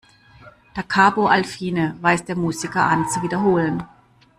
"Da Capo al fine" weist den Musiker an, zu wiederholen.